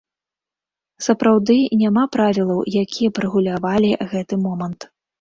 Сапраўды, няма правілаў, якія б рэгулявалі гэты момант.